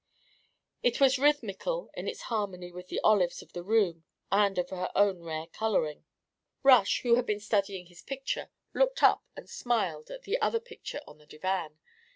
It was rhythmical in its harmony with the olives of the room and of her own rare colouring. Rush, who had been studying his picture, looked up and smiled at the other picture on the divan.